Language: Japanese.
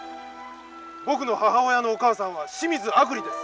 僕の母親のお母さんは清水あぐりです。